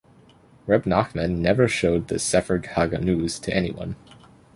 Rebbe Nachman never showed the "Sefer HaGanuz" to anyone.